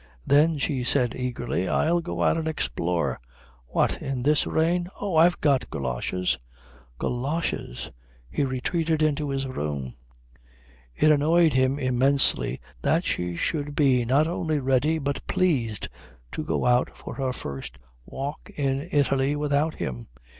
"Then," she said eagerly, "I'll go out and explore." "What, in this rain?" "Oh, I've got goloshes." Goloshes! He retreated into his room. It annoyed him intensely that she should be not only ready but pleased to go out for her first walk in Italy without him.